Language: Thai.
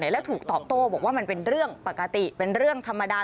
แล้วถูกตอบโต้บอกว่ามันเป็นเรื่องปกติเป็นเรื่องธรรมดา